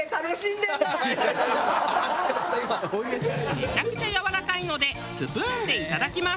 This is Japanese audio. めちゃくちゃやわらかいのでスプーンでいただきます。